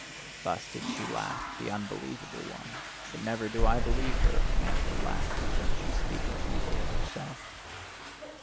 Thus did she laugh, the unbelievable one; but never do I believe her and her laughter, when she speaketh evil of herself.